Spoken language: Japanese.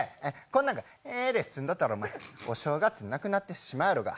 こんなん、へで済んどったらお正月なくなってしまうやろ。